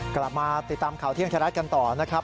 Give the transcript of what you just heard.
กลับมาติดตามข่าวเที่ยงไทยรัฐกันต่อนะครับ